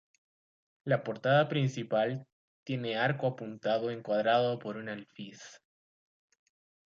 La portada principal tiene arco apuntado encuadrado por un alfiz.